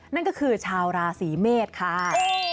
นั่นก็คือชาวราศีเมษค่ะ